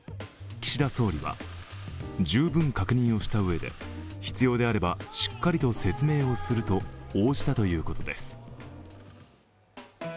岸田総理は、十分確認をしたうえで必要であればしっかりと説明をすると応じたということです。